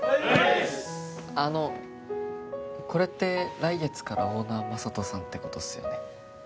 あのこれって来月からオーナーＭａｓａｔｏさんってことっすよね？